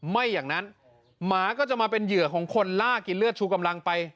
ไม่อย่างนั้นหมาก็จะมาเป็นเหยื่อของคนล่ากินเลือดชูกำลังไป